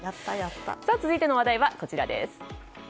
続いての話題はこちらです。